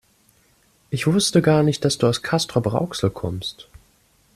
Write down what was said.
Ich wusste gar nicht, dass du aus Castrop-Rauxel kommst